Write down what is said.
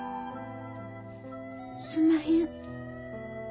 すんまへん。